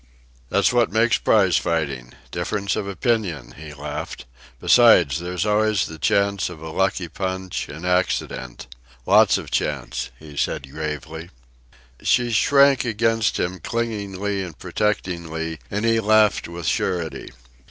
"That's what makes prize fighting difference of opinion," he laughed. "Besides, there's always the chance of a lucky punch, an accident. Lots of chance," he said gravely. She shrank against him, clingingly and protectingly, and he laughed with surety.